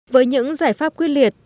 với những giải pháp quyết liệt